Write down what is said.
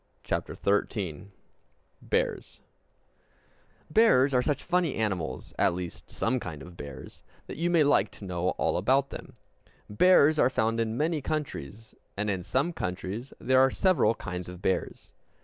CHAPTER XIII Bears Bears are such funny animals, at least some kinds of bears, that you may like to know all about them. Bears are found in many countries, and in some countries there are several kinds of bears.